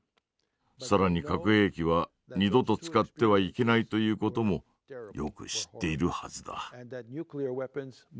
更に核兵器は二度と使ってはいけないという事もよく知っているはずだ。